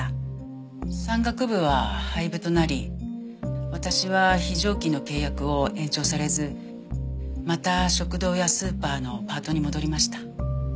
山岳部は廃部となり私は非常勤の契約を延長されずまた食堂やスーパーのパートに戻りました。